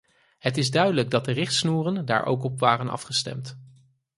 Het is duidelijk dat de richtsnoeren daar ook op waren afgestemd.